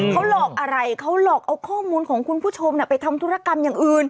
เขาหลอกอะไรเขาหลอกเอาข้อมูลของคุณผู้ชมไปทำธุรกรรมอย่างอื่น